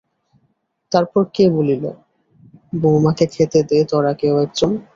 তারপর কে বলিল, বৌমাকে খেতে দে তোরা কেউ একজন।